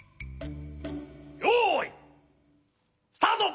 よいスタート！